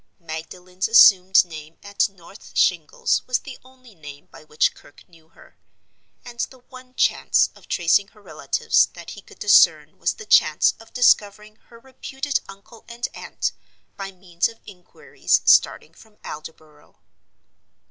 Magdalen's assumed name at North Shingles was the only name by which Kirke knew her; and the one chance of tracing her relatives that he could discern was the chance of discovering her reputed uncle and aunt by means of inquiries starting from Aldborough.